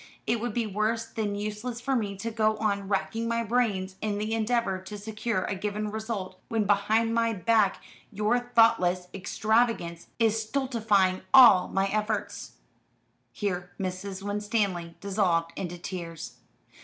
It would be worse than useless for me to go on racking my brains in the endeavour to secure a given result, when behind my back your thoughtless extravagance is stultifying all my efforts." Here Mrs. Winstanley dissolved into tears.